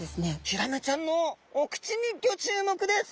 ヒラメちゃんのお口にギョ注目です！